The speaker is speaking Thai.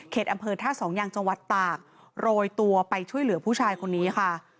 อำเภอท่าสองยังจังหวัดตากโรยตัวไปช่วยเหลือผู้ชายคนนี้ค่ะ